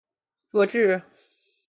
弱智？